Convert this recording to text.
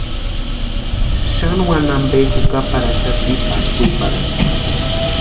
Xani wani ampe jukaparhaxati pari kwiparhani.